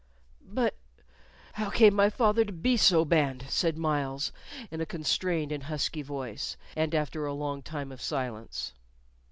"But how came my father to be so banned?" said Myles, in a constrained and husky voice, and after a long time of silence.